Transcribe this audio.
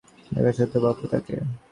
দেখেছ তো বাপু তাকে।